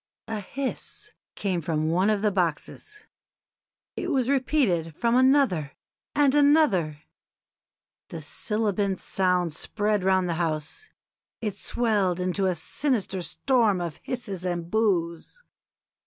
A hiss came from one of the boxes; it was repeated from another, and another. The sibilant sound spread round the house; it swelled into a sinister storm of hisses and boos.